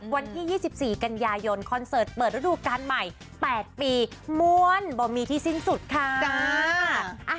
วันที่๒๔กันยายนคอนเสิร์ตเปิดฤดูการใหม่๘ปีม้วนบ่มีที่สิ้นสุดค่ะ